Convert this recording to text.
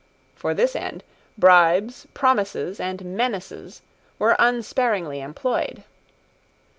For this end bribes, promises, and menaces were unsparingly employed.